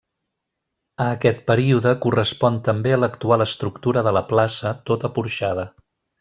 A aquest període correspon també l'actual estructura de la plaça, tota porxada.